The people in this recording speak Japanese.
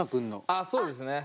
あっそうですね！